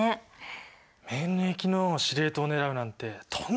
免疫の司令塔を狙うなんてとんでもないウイルスですね。